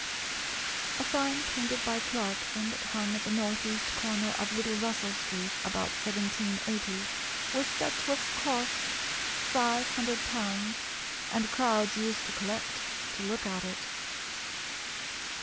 A sign painted by Clarkson, that hung at the north east corner of Little Russell Street about 1780, was said to have cost £500, and crowds used to collect to look at it.